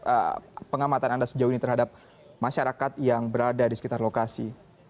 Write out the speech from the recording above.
apa pengamatan anda sejauh ini terhadap masyarakat yang berada di sekitar lokasi